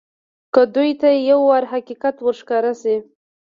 که دوى ته يو وار حقيقت ورښکاره سي.